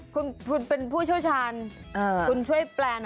คุณเป็นผู้เชี่ยวชาญคุณช่วยแปลน